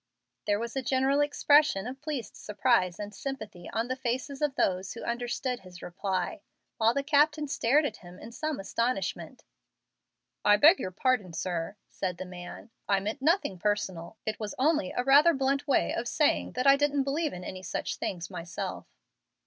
There was a general expression of pleased surprise and sympathy on the faces of those who understood his reply, while the captain stared at him in some astonishment. "I beg your pardon, sir," said the man; "I meant nothing personal. It was only a rather blunt way of saying that I didn't believe in any such things myself."